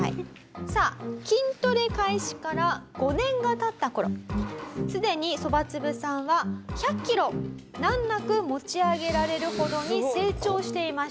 さあ筋トレ開始から５年が経った頃すでにそばつぶさんは１００キロ難なく持ち上げられるほどに成長していました。